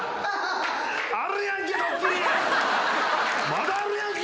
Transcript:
まだあるやんけ！